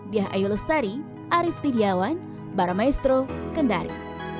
diayulustari arief tidjawan baramaestro kendari